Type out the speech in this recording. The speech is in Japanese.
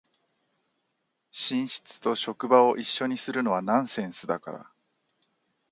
寝室と職場を一緒にするのはナンセンスだから